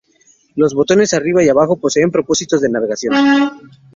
Los botones Arriba y Abajo poseen propósitos de navegación.